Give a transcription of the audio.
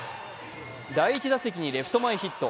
第１打席にレフト前ヒット。